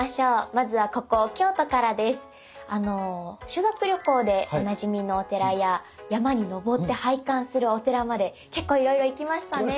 修学旅行でおなじみのお寺や山に登って拝観するお寺まで結構いろいろ行きましたね。